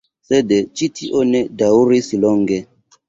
Sed ĉi tio ne daŭris longe.